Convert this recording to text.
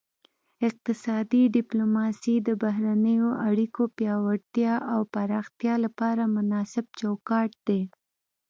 اقتصادي ډیپلوماسي د بهرنیو اړیکو پیاوړتیا او پراختیا لپاره مناسب چوکاټ دی